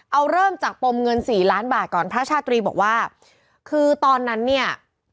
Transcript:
เอาเริ่มจากปมเงินสี่ล้านบาทก่อนพระชาตรีบอกว่าคือตอนนั้นเนี่ย